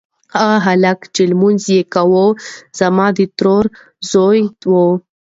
هغه هلک چې لمونځ یې کاوه زما د تره زوی و.